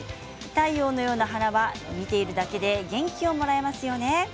太陽のような花は見ているだけで元気をもらえますよね。